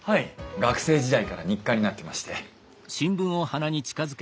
学生時代から日課になってまして。